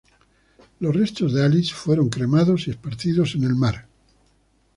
Los restos de Alice fueron cremados y esparcidos en el mar.